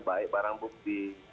baik barang bukti